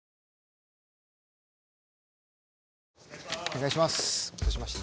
お願いします！